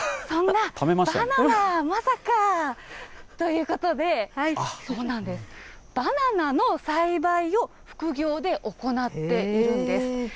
そんなばなな、まさか、ということで、そうなんです、バナナの栽培を副業で行っているんです。